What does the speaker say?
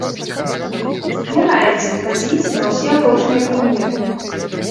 Не раіць хадзіць на ўсе апошнія прэм'еры!